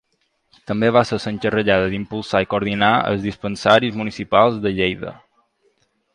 També va ser l'encarregada d'impulsar i coordinar els dispensaris municipals de Lleida.